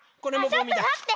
あっちょっとまって。